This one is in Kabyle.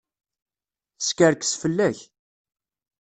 Teskerkes fell-ak.